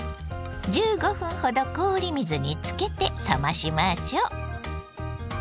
１５分ほど氷水につけて冷ましましょう。